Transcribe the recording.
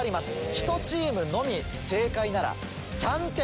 ひとチームのみ正解なら３点。